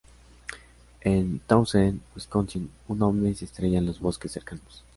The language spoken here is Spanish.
En Townsend, Wisconsin, un ovni se estrella en los bosques cercanos.